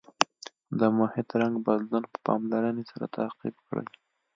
د محیط رنګ بدلون په پاملرنې سره تعقیب کړئ.